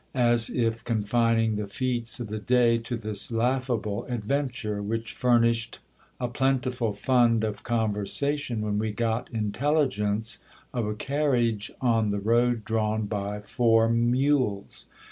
as if confining the feats of the day to this laughable ad venture, which furnished a plentiful fund of conversation, when we got intelli gence of a carriage on the road drawn by four mules.